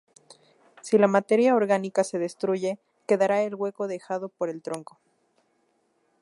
Si la materia orgánica se destruye quedará el hueco dejado por el tronco.